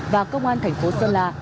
và công an thành phố sơn la